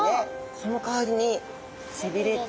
そのかわりに背びれと。